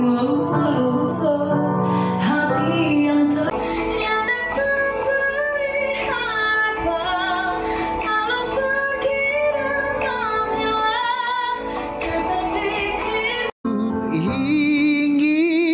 oh yakin kan cinta ini